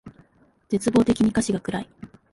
絶望的に歌詞が暗い